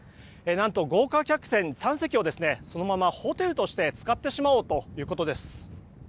何と豪華客船３隻をそのままホテルとして使ってしまおうということです。